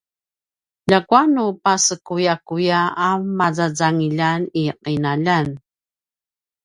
ljakua nu pasakuyakuya a mamazangiljan i qinaljan